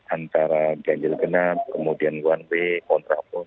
antara genggelgenap kemudian wanbe kontrapus